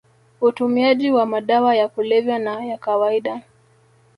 utumiaji wa madawa ya kulevya na ya kawaida